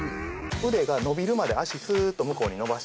腕が伸びるまで足スーッと向こうに伸ばしていきます。